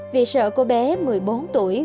vì sợ cô bé một mươi bốn tuổi